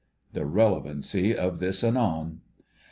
The relevancy of this anon.